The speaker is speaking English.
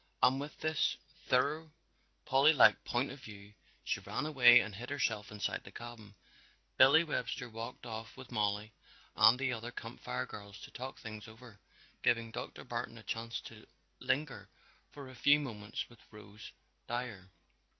And with this thoroughly Polly like point of view she ran away and hid herself inside the cabin. Billy Webster walked off with Mollie and the other Camp Fire girls to talk things over, giving Dr. Barton a chance to linger for a few moments with Rose Dyer.